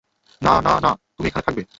না, না, না, তুমি এখানে থাকবে।